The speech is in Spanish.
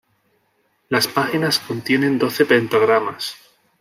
Las páginas contienen doce pentagramas.